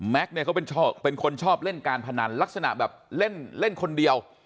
เนี่ยเขาเป็นคนชอบเล่นการพนันลักษณะแบบเล่นคนเดียว